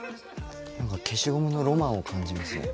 消しゴムのロマンを感じますね。